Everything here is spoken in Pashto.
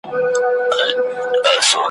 چیري چي زور وي د جاهلانو ,